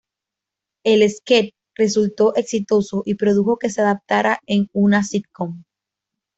El "sketch" resultó exitoso y produjo que se adaptara en una sitcom.